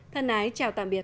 thân ái chào tạm biệt